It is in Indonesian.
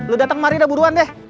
lo dateng kemari udah buruan deh